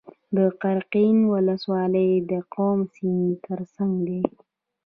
قرقین ولسوالۍ د کوم سیند تر څنګ ده؟